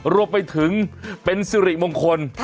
รวมไปถึงเป็นสิริมงคล